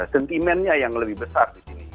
sentimennya yang lebih besar